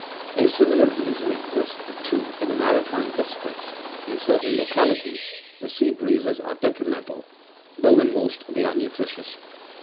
28 A similar reason exists, too, in the maritime districts ; in certain localities the sea breezes are detrimental, though in most they are nutritious.